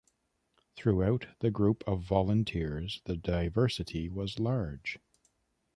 Throughout the group of volunteers the diversity was large.